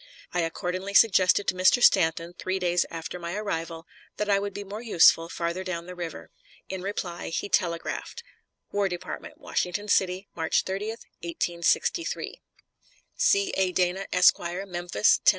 I accordingly suggested to Mr. Stanton, three days after my arrival, that I would be more useful farther down the river. In reply he telegraphed: WAR DEPARTMENT, WASHINGTON CITY, March 30, 1863. C. A. DANA, Esq., Memphis, Tenn.